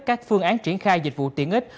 các phương án triển khai dịch vụ tiện ích